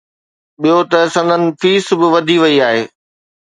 ٻيو ته سندن فيس به وڌي وئي آهي.